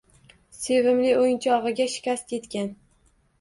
Sevimli o‘yinchog‘iga shikast yetgan